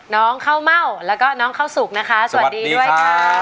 น้องข้าวเม่าแล้วก็น้องข้าวสุกนะคะสวัสดีด้วยค่ะ